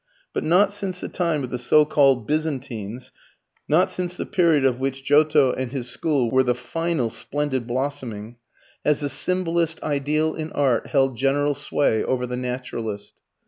But not since the time of the so called Byzantines, not since the period of which Giotto and his School were the final splendid blossoming, has the "Symbolist" ideal in art held general sway over the "Naturalist."